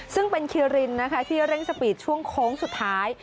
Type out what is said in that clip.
ซึ่งเป็นคิรินนะคะที่เร่งสปีดช่วงโค้งสุดท้าย